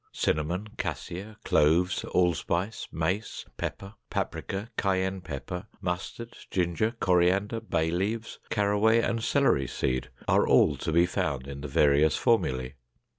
Cinnamon, cassia, cloves, allspice, mace, pepper, paprika, cayenne pepper, mustard, ginger, coriander, bay leaves, caraway and celery seed, are all to be found in the various formulae.